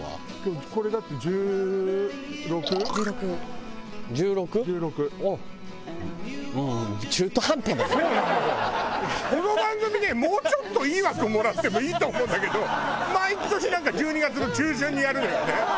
この番組ねもうちょっといい枠もらってもいいと思うんだけど毎年なんか１２月の中旬にやるのよね。